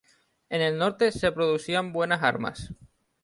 En el norte de Europa se producían buenas armas.